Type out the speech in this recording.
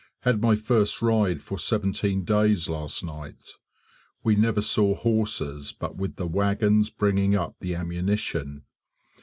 Had my first ride for seventeen days last night. We never saw horses but with the wagons bringing up the ammunition.